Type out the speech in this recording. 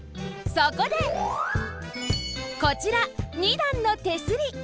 そこでこちら二段の手すり！